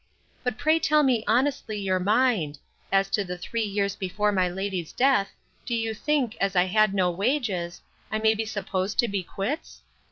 But pray tell me honestly your mind: As to the three years before my lady's death, do you think, as I had no wages, I may be supposed to be quits?